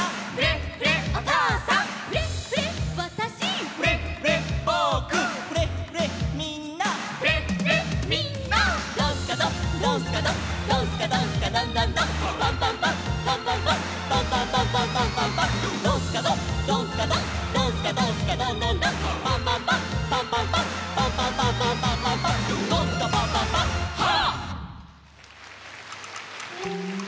「」「フレッフレッわたし」「」「フレッフレッみんな」「」「ドンスカドンドンスカドンドンスカドンスカドンドンドン」「パンパンパンパンパンパンパンパンパンパンパンパンパン」「ドンスカドンドンスカドンドンスカドンスカドンドンドン」「パンパンパンパンパンパンパンパンパンパンパンパンパン」「ドンスカパンパンパンハッ！」